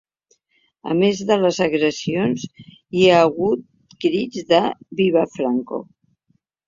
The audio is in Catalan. A més de les agressions, hi ha hagut crits de ‘viva Franco’.